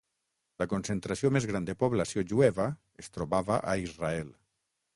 La concentració més gran de població jueva es trobava a Israel.